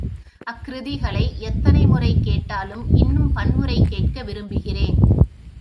அக்கிருதிகளை எத்தனை முறை கேட்டாலும் இன்னும் பன்முறை கேட்க விரும்புகிறேன்.